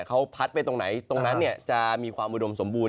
เขาพัดไปตรงไหนตรงนั้นจะมีความอุดมสมบูรณ